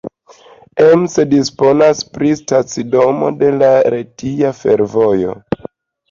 Ems disponas pri stacidomo de la Retia Fervojo.